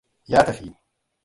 Ya tafi.